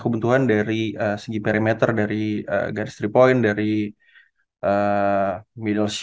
kebentuan dari segi perimeter dari garis three point dari middle shot dan lain lain gitu ya